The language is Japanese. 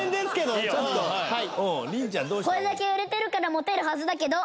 これだけ売れてるからモテるはずだけど。